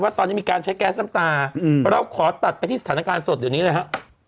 ว่าตอนนี้มีการใช้แก๊สน้ำตาอืมแล้วขอตัดไปที่สถานการณ์สดอยู่นี้เลย